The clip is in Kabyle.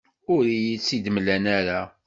Ur iyi-tt-id-mlan ara.